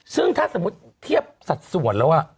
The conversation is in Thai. ซึ่งถ้าสมมุติเทียบสัดส่วนแล้ว